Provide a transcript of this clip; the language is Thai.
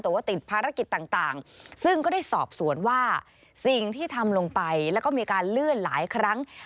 แต่ว่าติดภารกิจต่างซึ่งก็ได้สอบสวนว่าสิ่งที่ทำลงไปแล้วก็มีการเลื่อนหลายครั้ง